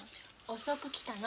遅く来たの。